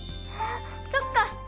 そっか。